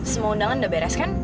semua undangan sudah beres kan